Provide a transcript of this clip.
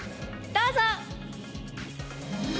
どうぞ！